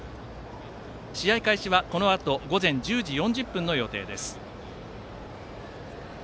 試合開始はこのあと午前１０時４０分の予定です。